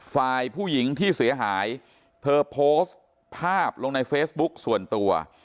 ฝ่ายผู้หญิงที่เสียหายเธอโพสต์ภาพลงในเฟซบุ๊กส่วนตัว